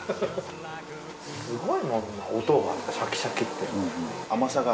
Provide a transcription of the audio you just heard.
すごいもん音がシャキシャキって。